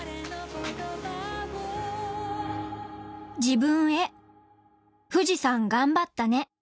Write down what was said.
「自分へ富士山がんばったね。」